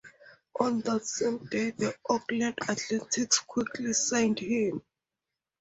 On that same day, the Oakland Athletics quickly signed him.